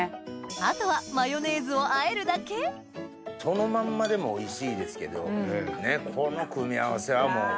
あとはマヨネーズをあえるだけそのまんまでもおいしいですけどこの組み合わせはもう。